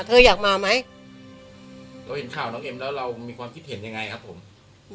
เธออยากมาไหมเราเห็นข่าวน้องเอ็มแล้วเรามีความคิดเห็นยังไงครับผม